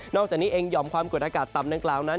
นอกจากนี้เองยอมความกลุ่มอากาศตำด้านกลางนั้น